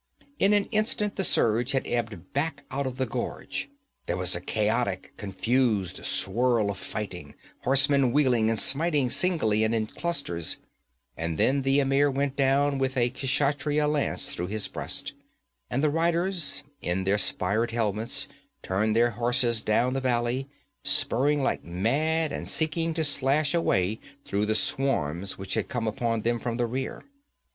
In an instant the surge had ebbed back out of the gorge; there was a chaotic, confused swirl of fighting, horsemen wheeling and smiting singly and in clusters, and then the emir went down with a Kshatriya lance through his breast, and the riders in their spired helmets turned their horses down the valley, spurring like mad and seeking to slash a way through the swarms which had come upon them from the rear.